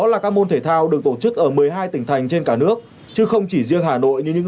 đó là các môn thể thao được tổ chức ở một mươi hai tỉnh thành trên cả nước chứ không chỉ riêng hà nội như những